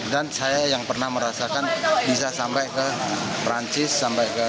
dan saya yang pernah merasakan bisa sampai ke perancis sampai ke